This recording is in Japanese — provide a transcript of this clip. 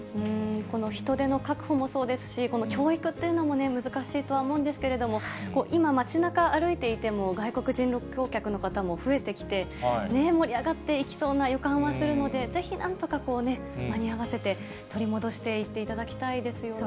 この人手の確保もそうですし、この教育っていうのも難しいとは思うんですけれども、今、街なか歩いていても、外国人旅行客の方も増えてきて、盛り上がっていきそうな予感はするので、ぜひなんとかこうね、間に合わせて、取り戻していっていただきたいですよね。